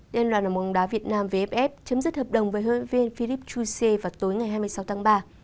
đên loạt bóng đá việt nam vff chấm dứt hợp đồng với hợp viên philippe jussier vào tối ngày hai mươi sáu tháng ba